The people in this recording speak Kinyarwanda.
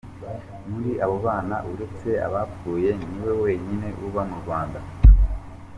Muri abo bana, uretse abapfuye niwe wenyine uba mu Rwanda.